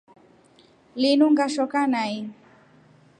Linu ngeshoka nai.